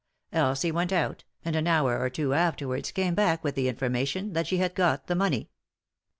Elsie vent out, and an hour or two afterwards came back with the information that she had got the money.